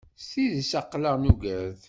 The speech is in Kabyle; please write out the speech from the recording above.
S tidet aql-aɣ nugad.